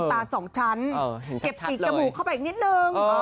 ตาสองชั้นเก็บปีกจมูกเข้าไปอีกนิดนึง